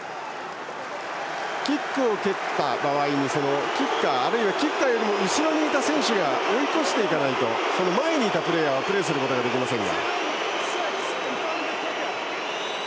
キックを蹴った場合にキッカー、あるいはキッカーより後ろにいた選手が追い越していかないと前にいたプレーヤーはプレーすることができません。